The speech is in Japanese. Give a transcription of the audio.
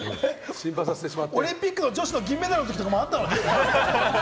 オリンピックの女子の銀メダルとかもあったのに？